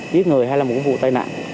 biết người hay là một vụ tai nạn